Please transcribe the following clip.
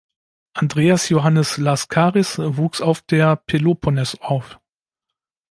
Andreas Johannes Laskaris wuchs auf der Peloponnes auf.